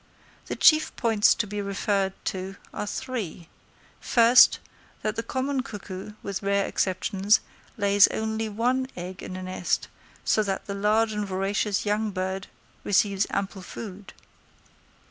The chief points to be referred to are three: first, that the common cuckoo, with rare exceptions, lays only one egg in a nest, so that the large and voracious young bird receives ample food.